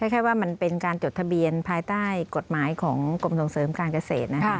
แค่ว่ามันเป็นการจดทะเบียนภายใต้กฎหมายของกรมส่งเสริมการเกษตร